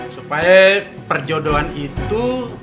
supaya perjodohan itu